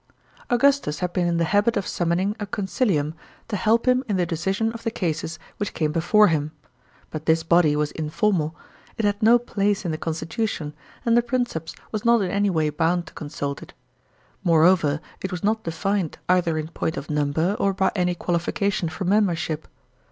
§ 23. Augustus had been in the habit of summoning a consilium to help him in the decision of the cases which came before him. But this body was informal; it had no place in the constitution, and the Princeps was not in any way bound to consult it. More over, it was not defined either in point of number, or by any qualification for membership.